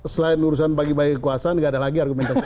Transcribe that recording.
selain urusan bagi bagi kekuasaan tidak ada lagi argumentasi